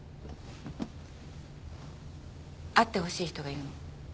会ってほしい人がいるの。